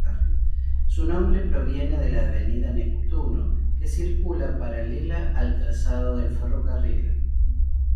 Su nombre proviene de la Avenida Neptuno, que circula paralela al trazado del ferrocarril.